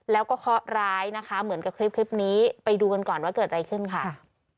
แล้วก็เคาะร้ายนะคะเหมือนกับคลิปนี้ไปดูกันก่อนว่าเกิดอะไรขึ้นค่ะ